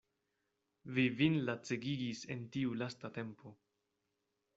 Vi vin lacegigis en tiu lasta tempo.